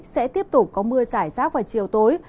sẽ tiếp tục có mưa giải rác vào chiều tối